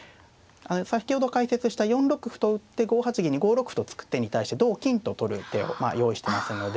先ほど解説した４六歩と打って５八銀に５六歩と突く手に対して同金と取る手を用意してますので。